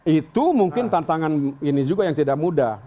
itu mungkin tantangan ini juga yang tidak mudah